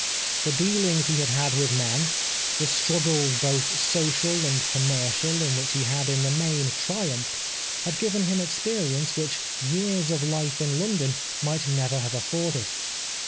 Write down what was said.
The dealings he had had with men, the struggles 222 The Life of Oscar Wilde both social and commercial in which he had in the main triumphed had given him experience which years of hfe in London might never have afforded.